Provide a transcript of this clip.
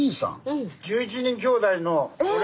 うん。